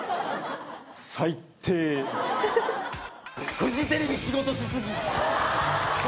フジテレビ仕事しすぎ。